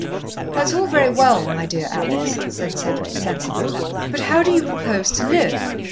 "That's all very well, my dear Alex," said Cedric sensibly, "but how do you propose to live?